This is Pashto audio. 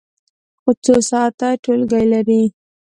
څو ساعته ټولګی لرئ؟